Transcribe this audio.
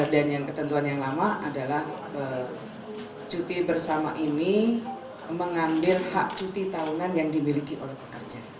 dan yang ketentuan yang lama adalah cuti bersama ini mengambil hak cuti tahunan yang dimiliki oleh pekerja